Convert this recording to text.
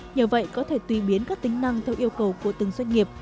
nhờ vậy có thể tùy biến các tính năng theo yêu cầu của từng doanh nghiệp